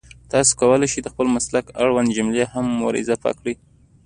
تاسو کولای شئ د خپل مسلک اړونده جملې هم ور اضافه کړئ